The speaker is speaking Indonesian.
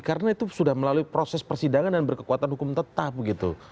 karena itu sudah melalui proses persidangan dan berkekuatan hukum tetap begitu